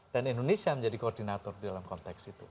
dan indonesia menjadi koordinator dalam konteks itu